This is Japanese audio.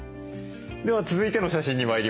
では続いての写真に参りましょう。